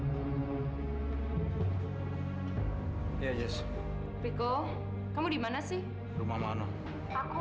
terima kasih samamu